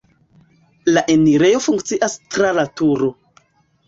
La enirejo funkcias tra la turo.